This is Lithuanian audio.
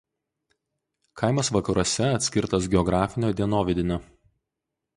Kaimas vakaruose atskirtas geografinio dienovidinio.